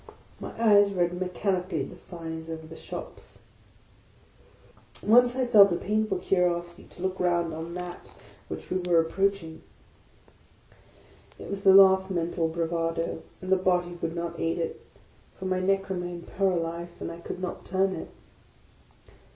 My eyes read mechanically the signs over the shops. Once I felt a painf al curiosity to look round on that which we were approaching. It was the last mental bravado, and the body would not aid it ; for my neck remained paralyzed, and I could not turn it.